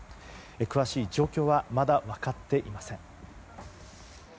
詳しい状況はまだ分かっていません。